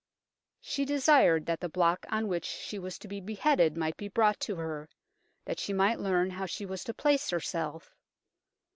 " She desired that the block on which she was to be beheaded might be brought to her, that she might learn how she was to place herself.